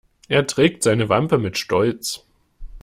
Er trägt seine Wampe mit Stolz.